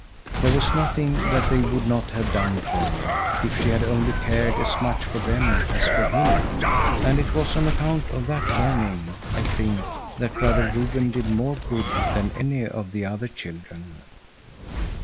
There was nothing that they would not have done for her, if she had only cared as much for them as for him. And it was on account of that longing, I think, that Brother Reuben did more good than any of the other children.